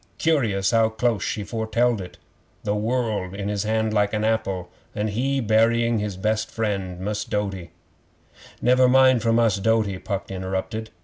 Curious how close she foretelled it! The world in his hand like an apple, an' he burying his best friend, Mus' Doughty ' 'Never mind for Mus' Doughty,' Puck interrupted.